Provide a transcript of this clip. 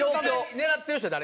狙ってる人は誰？